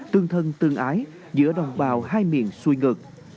tương thân tương ái giữa đồng bào hai miền xuôi ngược